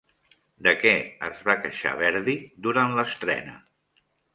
De què es va queixar Verdi durant l'estrena?